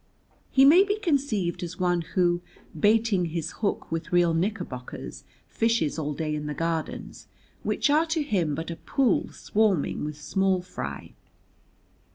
He may be conceived as one who, baiting his hook with real knickerbockers, fishes all day in the Gardens, which are to him but a pool swarming with small fry.